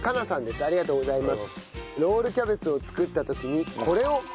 ありがとうございます。